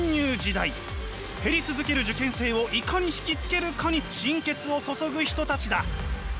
減り続ける受験生をいかに引き付けるかに心血を注ぐ人たちだ。